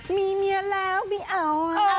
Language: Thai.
มีเมียแล้วไม่เอา